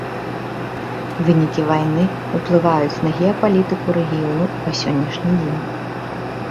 Вынікі вайны ўплываюць на геапалітыку рэгіёну і па сённяшні дзень.